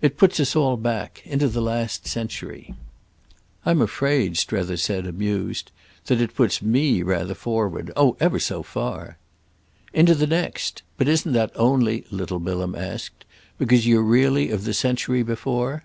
It puts us all back—into the last century." "I'm afraid," Strether said, amused, "that it puts me rather forward: oh ever so far!" "Into the next? But isn't that only," little Bilham asked, "because you're really of the century before?"